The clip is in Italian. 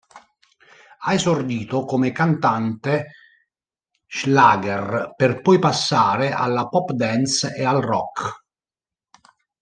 Ha esordito come cantante schlager per poi passare alla pop dance e al rock.